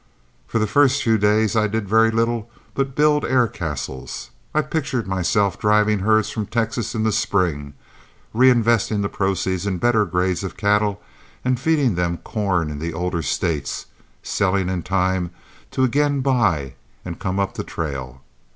For the first few days I did very little but build air castles. I pictured myself driving herds from Texas in the spring, reinvesting the proceeds in better grades of cattle and feeding them corn in the older States, selling in time to again buy and come up the trail.